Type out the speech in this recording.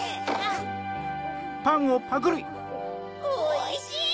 おいしい！